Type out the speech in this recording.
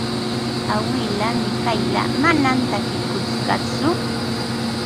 Awilaa Mikayla manam takikunqatsu.